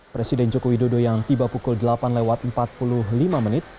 presiden joko widodo yang tiba pukul delapan lewat empat puluh lima menit